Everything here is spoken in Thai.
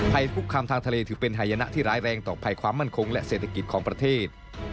ภัยคุกคามทางทะเลถือเป็นหายนะที่ร้ายแรงต่อภัยความมั่นคงและเศรษฐกิจของประเทศ